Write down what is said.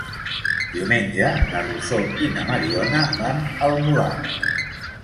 Diumenge na Rosó i na Mariona van al Molar.